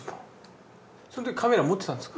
その時カメラ持ってたんですか？